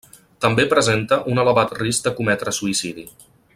També presenta un elevat risc de cometre suïcidi.